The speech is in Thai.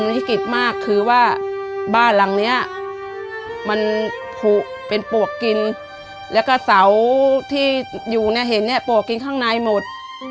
บ้านเนี่ยมันฮิตมากคือว่าบ้านหลังเนี้ยมันผูเป็นปลวกกินแล้วก็เสร้าที่อยู่ไหนเห็นก็ปลวกกินข้างในหมด